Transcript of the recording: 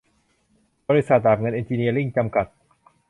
บริษัท ดาบเงินเอ็นจิเนียริ่ง จำกัด